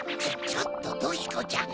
ちょっとドキコちゃん